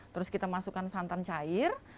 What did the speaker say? terus kita masukkan santan cair